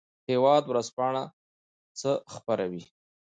هیواد ورځپاڼه څه خپروي؟